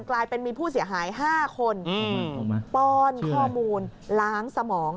กลายเป็นมีผู้เสียหาย๕คนป้อนข้อมูลล้างสมอง